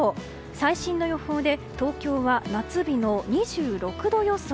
最新の予報で東京は夏日の２６度予想。